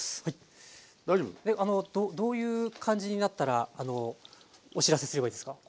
大丈夫？どういう感じになったらお知らせすればいいですか？